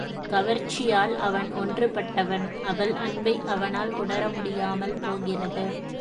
கவர்ச்சியால் அவன் ஒன்றுபட்டவன் அவள் அன்பை அவனால் உணர முடியாமல் போகிறது.